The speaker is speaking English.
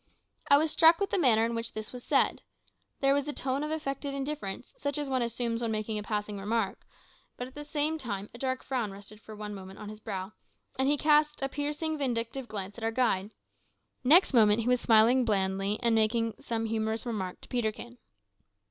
I was struck with the manner in which this was said. There was a tone of affected indifference, such as one assumes when making a passing remark, but at the same time a dark frown rested for one moment on his brow, and he cast a piercing vindictive glance at our guide. Next moment he was smiling blandly and making some humorous remark to Peterkin.